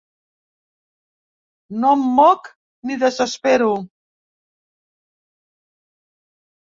No em moc ni desespero.